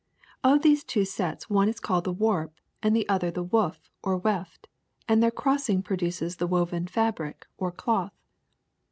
Of these two sets one is called the warp, the other the woof or weft, and their crossing pro duces the woven fabric, or cloth.